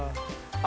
あ！